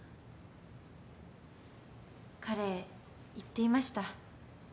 彼言っていました。